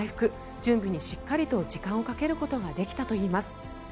準備にしっかりと時間をかけることができたといいます。